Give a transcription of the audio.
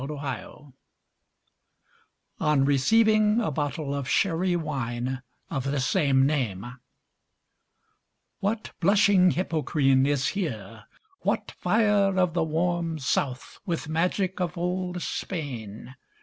DON QUIXOTE On receiving a bottle of Sherry Wine of the same name What "blushing Hippocrene" is here! what fire Of the "warm South" with magic of old Spain!